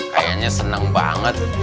kayanya seneng banget